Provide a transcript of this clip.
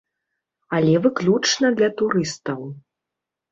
Але выключна для турыстаў.